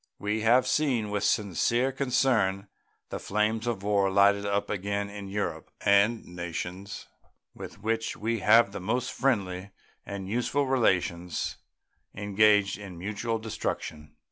We have seen with sincere concern the flames of war lighted up again in Europe, and nations with which we have the most friendly and useful relations engaged in mutual destruction.